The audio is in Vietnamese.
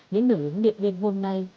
những nữ lĩnh viện viên hôm nay